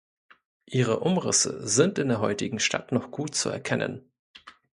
Ihre Umrisse sind in der heutigen Stadt noch gut zu erkennen.